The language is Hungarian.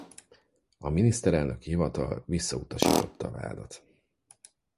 A Miniszterelnöki Hivatal visszautasította a vádat.